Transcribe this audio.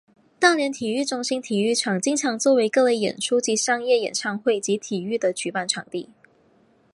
大连体育中心体育场经常作为各类演出及商业演唱会及体育的举办场地。